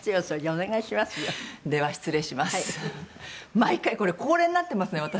毎回これ恒例になってますね私。